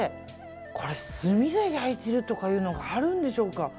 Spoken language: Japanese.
これ、炭で焼いてるとかいうのがあるんでしょうか。